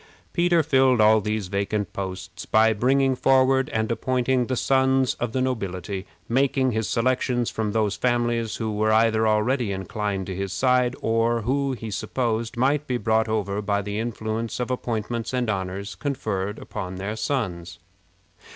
Peter filled all these vacant posts by bringing forward and appointing the sons of the nobility, making his selections from those families who were either already inclined to his side, or who he supposed might be brought over by the influence of appointments and honors conferred upon their sons.